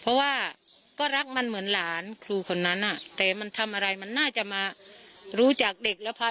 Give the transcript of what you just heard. เพราะว่าก็รักมันเหมือนหลานครูคนนั้นแต่มันทำอะไรมันน่าจะมารู้จักเด็กและพัก